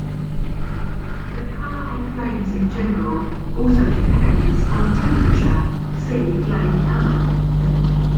The color of flames in general also depends on temperature; see flame color.